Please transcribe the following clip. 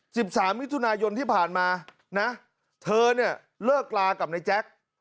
สิบสามมิถุนายนที่ผ่านมานะเธอเนี่ยเลิกลากับนายแจ๊ค